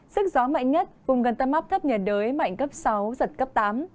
sức gió mạnh nhất vùng gần tâm áp thấp nhiệt đới mạnh cấp sáu giật cấp tám